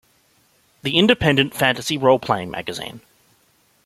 The Independent Fantasy Roleplaying Magazine.